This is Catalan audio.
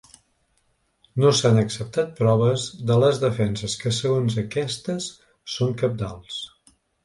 No s’han acceptat proves de les defenses que segons aquestes són cabdals.